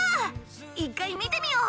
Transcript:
一回見てみよう。